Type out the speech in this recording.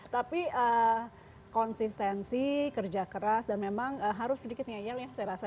tapi konsistensi kerja keras dan memang harus sedikit ngeyel ya saya rasa